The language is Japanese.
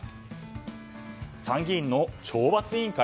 参議院の懲罰委員会